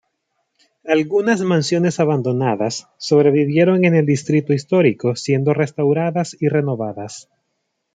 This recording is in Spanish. Algunas mansiones abandonadas sobrevivieron en el distrito histórico siendo restauradas y renovadas.